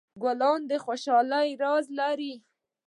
ګلان د خوشحالۍ راز لري.